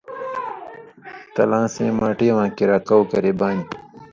تلاں سِیں ماٹی واں کریا کؤ کرے بانیۡ